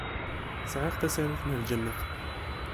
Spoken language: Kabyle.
Sɛiɣ tasarut n Ljennet.